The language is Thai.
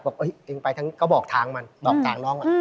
บอกเอ้ยไปทั้งนี้ก็บอกทางมันบอกทางร้อง